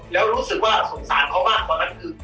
แล้วรู้สึกว่าสงสารเขามากกว่านั้นคือ